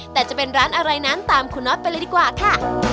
แต่จะเป็นร้านอะไรนั้นตามคุณน็อตไปเลยดีกว่าค่ะ